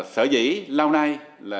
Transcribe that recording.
sở dĩ lâu nay